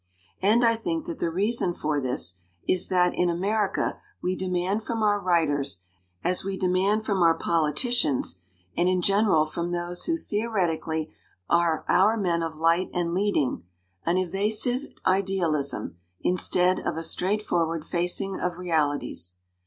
And I think that the reason for this is that in America we demand from our writers, as we demand from our politicians, and in general from those who theoretically are our men of light and leading, an evasive idealism in stead of a straightforward facing of realities.